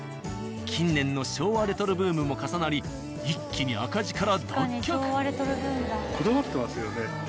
近年の昭和レトロブームも重なり一気に赤字から脱却。